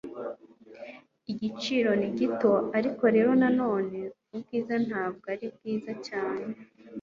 Igiciro ni gito, ariko rero nanone, ubwiza ntabwo ari bwiza cyane.